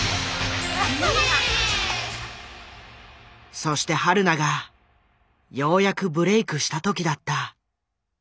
そしてはるながようやくブレークした時だった。